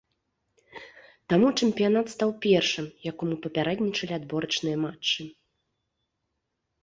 Таму чэмпіянат стаў першым, якому папярэднічалі адборачныя матчы.